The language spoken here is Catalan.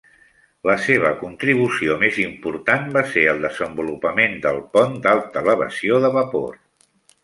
La seva contribució més important va ser el desenvolupament del pont d'alta elevació de vapor.